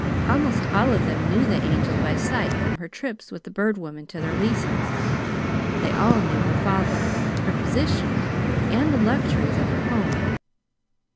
Almost all of them knew the Angel by sight from her trips with the Bird Woman to their leases. They all knew her father, her position, and the luxuries of her home.